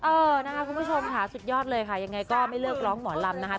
เออนะคะคุณผู้ชมค่ะสุดยอดเลยค่ะยังไงก็ไม่เลิกร้องหมอลำนะคะ